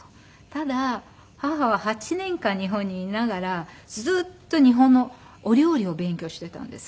ただ母は８年間日本にいながらずっと日本のお料理を勉強していたんです。